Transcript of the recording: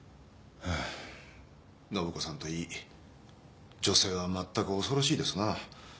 信子さんといい女性はまったく恐ろしいですな。